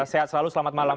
sehat selalu selamat malam